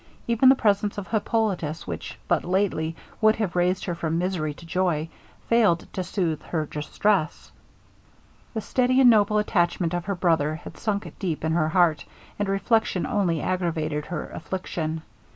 Even the presence of Hippolitus, which but lately would have raised her from misery to joy, failed to soothe her distress. The steady and noble attachment of her brother had sunk deep in her heart, and reflection only aggravated her affliction.